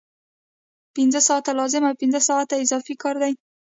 پنځه ساعته لازم او پنځه ساعته اضافي کار دی